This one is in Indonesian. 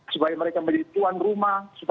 supaya mereka menjadi tuan rumah